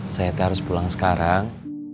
saya harus pulang sekarang